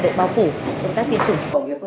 đội bao phủ công tác tiêm chủng